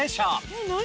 何？